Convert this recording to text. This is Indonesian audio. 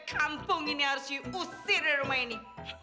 kampung ini harus you usir dari rumah ini